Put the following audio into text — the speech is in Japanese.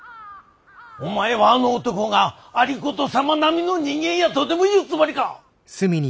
お前はあの男が有功様並みの人間やとでも言うつもりか！